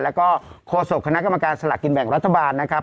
แล้วก็โฆษกคณะกรรมการสลักกินแบ่งรัฐบาลนะครับ